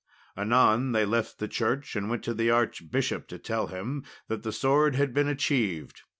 Anon, they left the church and went to the archbishop to tell him that the sword had been achieved.